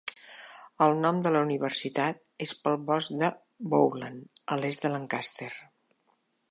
El nom de la universitat és pel bosc de Bowland, a l'est de Lancaster.